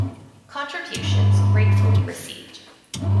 Contributions gratefully received